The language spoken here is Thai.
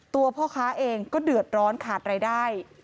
ตัวพ่อค้าเองก็เดือดร้อนขาดรายได้